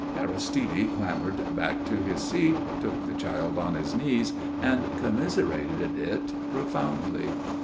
Aristide clambered back to his seat, took the child on his knees, and commiserated it profoundly.